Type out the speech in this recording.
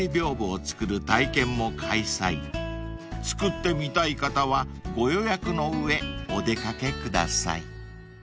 ［作ってみたい方はご予約の上お出掛けください］